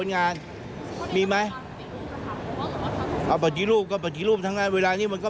งานมีไหมเอาปฏิรูปก็ปฏิรูปทั้งงานเวลานี้มันก็